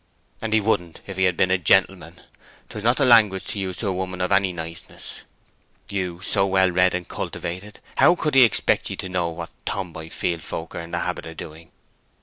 "And he wouldn't if he had been a gentleman. 'Twas not the language to use to a woman of any niceness. You, so well read and cultivated—how could he expect ye to know what tom boy field folk are in the habit of doing?